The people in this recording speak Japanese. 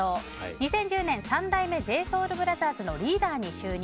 ２０１０年三代目ＪＳＯＵＬＢＲＯＴＨＥＲＳのリーダーに就任。